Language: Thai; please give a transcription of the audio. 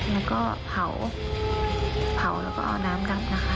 แล้วก็เผาแล้วก็เอาน้ำดำนะคะ